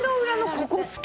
ここ好き。